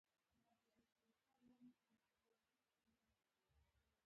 • ښه ملګری تا ته ښه فکر درکوي.